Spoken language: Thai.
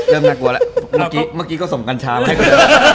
เริ่มน่ากลัวแล้ว